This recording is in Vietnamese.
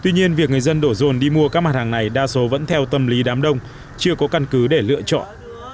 nhiều người dân đổ rồn đi mua các mặt hàng này đa số vẫn theo tâm lý đám đông chưa có căn cứ để lựa chọn